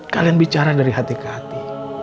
kalian bicara dari hati ke hati